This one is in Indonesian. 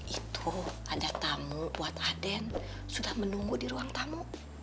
itu ada tamu kuat aden sudah menunggu di ruang tamu